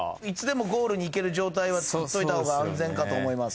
いつでもゴールに行ける状態はつくっといた方が安全かと思う。